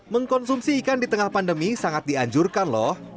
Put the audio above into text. mengkonsumsi ikan di tengah pandemi sangat dianjurkan loh